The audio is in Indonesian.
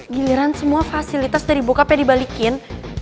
giliran semua fasilitas dari bokape dibalikin